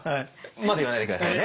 まだ言わないで下さいね。